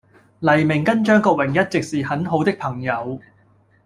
黎明跟張國榮一直是很好的朋友。